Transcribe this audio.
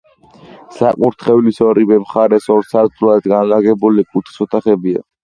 საკურთხევლის ორივე მხარეს ორ სართულად განლაგებული კუთხის ოთახებია.